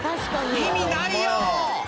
意味ないよ！